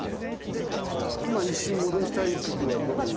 で今一瞬戻したい時はどういう？